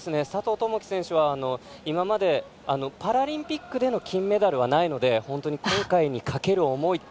友祈選手は今までパラリンピックでの金メダルはないので本当に今回にかける思い